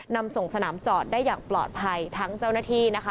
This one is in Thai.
นำส่งสนามจอดได้อย่างปลอดภัยทั้งเจ้าหน้าที่นะคะ